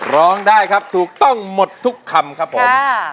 ร้องได้ครับถูกต้องหมดทุกคำครับผม